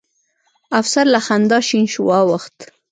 افسر له خندا شين واوښت.